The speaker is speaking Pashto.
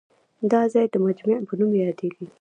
دا ځای د مجمع په نوم یادېږي.